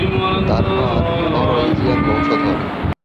তার মা নরওয়েজিয়ান বংশধর।